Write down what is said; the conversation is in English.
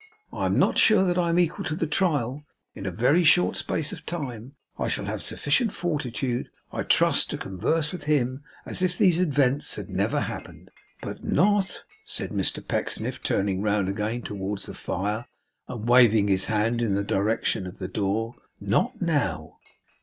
I am not sure that I am equal to the trial. In a very short space of time, I shall have sufficient fortitude, I trust to converse with him as if these events had never happened. But not,' said Mr Pecksniff, turning round again towards the fire, and waving his hand in the direction of the door, 'not now.